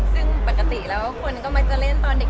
ซึ่งปกติแล้วคนก็มักจะเล่นตอนเด็ก